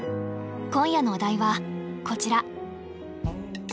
今夜のお題はこちら。